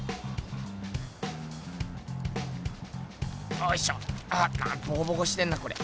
おいしょボコボコしてんなこれ。